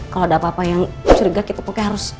kalau ada apa apa yang curiga kita pokoknya harus